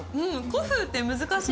古風って難しい。